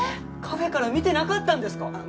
カフェから見てなかったんですか？